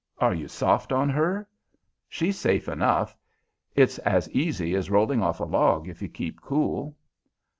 Are you soft on her? She's safe enough. It's as easy as rolling off a log, if you keep cool."